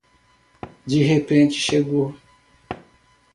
De repente chegou